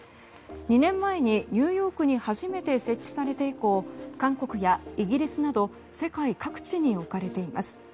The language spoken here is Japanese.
２年前にニューヨークに初めて設置されて以降韓国やイギリスなど世界各地に置かれています。